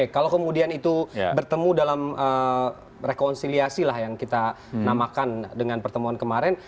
kalau kemudian itu bertemu dalam rekonsiliasi lah yang kita namakan dengan pertemuan kemarin